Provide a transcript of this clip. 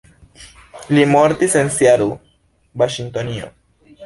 Li mortis en Seattle, Vaŝingtonio.